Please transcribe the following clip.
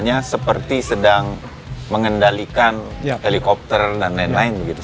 jadi ini juga seperti sedang mengendalikan helikopter dan lain lain begitu